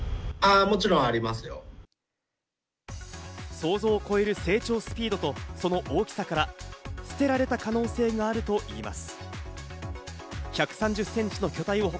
想像を超える成長スピードと、その大きさから捨てられた可能性があるといいます。